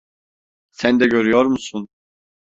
Sen de görüyor musun?